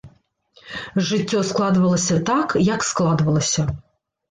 Жыццё складвалася так, як складвалася.